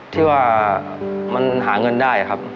ที่ว่ามันหาเงินได้ครับ